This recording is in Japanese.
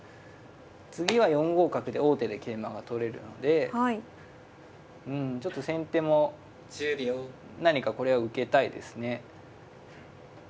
次は４五角で王手で桂馬が取れるのでうんちょっと先手も何かこれは受けたいですね。